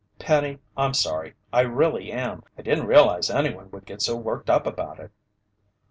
"Penny, I'm sorry I really am. I didn't realize anyone would get so worked up about it."